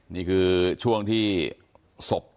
นี่คือช่วงที่ศพ